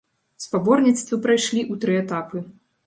Спаборніцтвы прайшлі ў тры этапы.